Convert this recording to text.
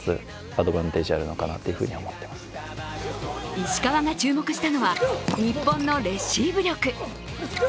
石川が注目したのは日本のレシーブ力。